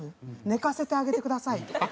寝かせてあげてください」とか。